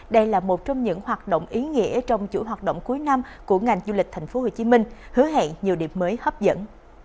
đây là một trong những hoạt động ý nghĩa trong chủ hoạt động cuối năm của ngành du lịch tp hcm hứa hẹn nhiều điểm mới hấp dẫn